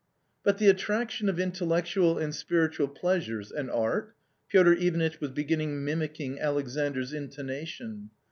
" But the attraction of intellectual and spiritual pleasures, and art?" Piotr Ivanitch was beginning mimicking Alex andra intonation.